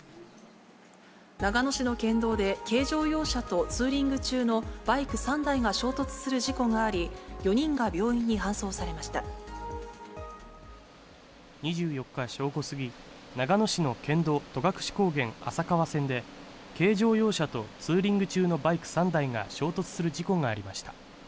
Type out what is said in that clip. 長野市の県道で、軽乗用車とツーリング中のバイク３台が衝突する事故があり、２４日正午過ぎ、長野市の県道戸隠高原浅川線で、軽乗用車とツーリング中のバイク３台が衝突する事故がありました。